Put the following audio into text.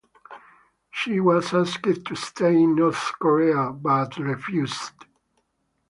She was asked to stay in North Korea but refused.